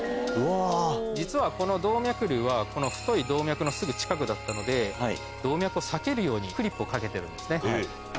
実はこの動脈瘤はこの太い動脈のすぐ近くだったので動脈を避けるようにクリップをかけてるんですね。